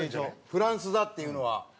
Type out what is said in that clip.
フランス座っていうのは？